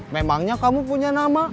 memangnya kamu punya nama